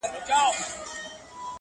سړي وویل زما ومنه که ښه کړې،